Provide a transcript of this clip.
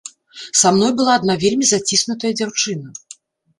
Са мной была адна вельмі заціснутая дзяўчына.